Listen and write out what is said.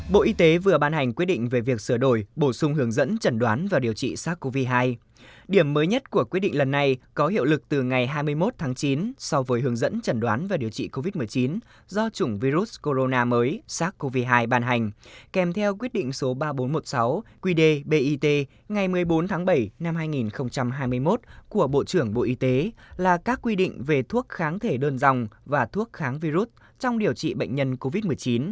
bộ y tế vừa ban hành quyết định về việc sửa đổi bổ sung hướng dẫn chẩn đoán và điều trị sars cov hai điểm mới nhất của quyết định lần này có hiệu lực từ ngày hai mươi một tháng chín so với hướng dẫn chẩn đoán và điều trị covid một mươi chín do chủng virus corona mới sars cov hai ban hành kèm theo quyết định số ba nghìn bốn trăm một mươi sáu quy đề bit ngày một mươi bốn tháng bảy năm hai nghìn hai mươi một của bộ trưởng bộ y tế là các quy định về thuốc kháng thể đơn dòng và thuốc kháng virus trong điều trị bệnh nhân covid một mươi chín